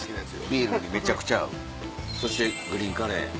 ビールにめちゃくちゃ合うそしてグリーンカレー。